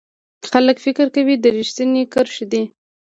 خلک فکر کوي دا ریښتینې کرښې دي.